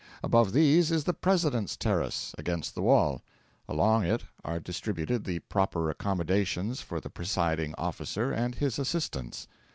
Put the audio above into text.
Above these is the President's terrace, against the wall. Along it are distributed the proper accommodations for the presiding officer and his assistants.